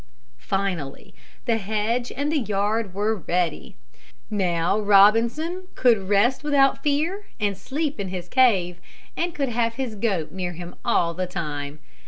Finally, the hedge and the yard were ready. Now Robinson could rest without fear and sleep in his cave, and could have his goat near him all the time.